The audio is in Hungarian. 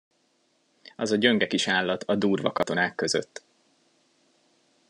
Az a gyönge kis állat a durva katonák között.